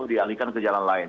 dialihkan ke jalan lain